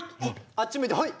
あっち向いてホイ。